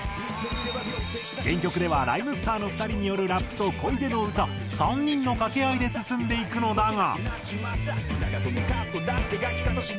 原曲ではＲＨＹＭＥＳＴＥＲの２人によるラップと小出の歌３人の掛け合いで進んでいくのだが。